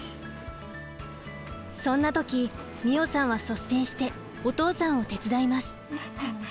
そんな時美桜さんは率先してお父さんを手伝います。